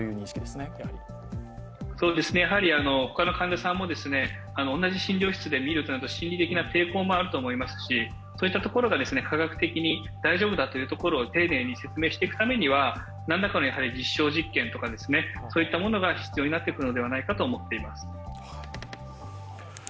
他の患者さんも同じ診療室で診るとなると心理的な抵抗もあると思いますしそういったところが科学的に大丈夫だというところを丁寧に説明していくためにはなんらかの実証実験とかいったものが必要だと思っています。